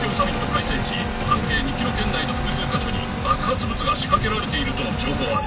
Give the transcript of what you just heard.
開催地半径２ｋｍ圏内の複数箇所に爆発物が仕掛けられているとの情報あり。